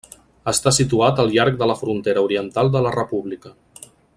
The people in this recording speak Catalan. Està situat al llarg de la frontera oriental de la república.